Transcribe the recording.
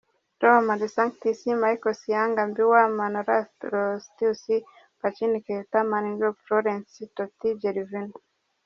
Roma: De Sanctis; Maicon, Yanga-Mbiwa, Manolas, Torosidis; Pjanić, Keita, Naninggolan; Florenzi, Totti, Gervinho.